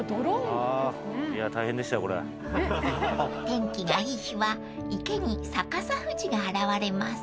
［天気がいい日は池に逆さ富士が現れます］